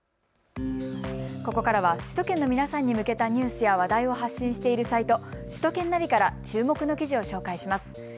ここからは首都圏の皆さんに向けたニュースや話題を発信しているサイト、首都圏ナビから注目の記事を紹介します。